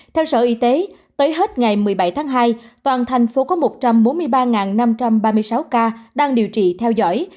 theo sở y tế tới hết ngày một mươi bảy tháng hai toàn thành phố có một trăm bốn mươi ba năm trăm ba mươi sáu ca đang điều trị theo dõi